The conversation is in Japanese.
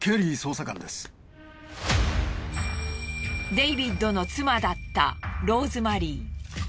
デイビッドの妻だったローズマリー。